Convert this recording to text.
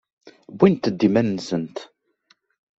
Wwint-d iman-nsent.